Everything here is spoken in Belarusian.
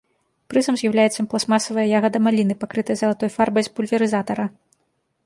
Прызам з'яўляецца пластмасавая ягада маліны, пакрытая залатой фарбай з пульверызатара.